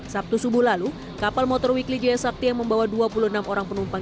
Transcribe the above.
sabtu subuh lalu kapal motor wikli jaya sakti yang membawa dua puluh enam orang penumpang